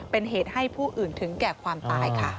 เป็นเหตุให้ผู้อื่นถึงแก่ความตายค่ะ